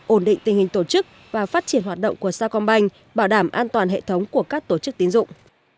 ổn định tình hình tổ chức và phát triển hoạt động của sao công banh bảo đảm an toàn hệ thống của các tổ chức tín dụng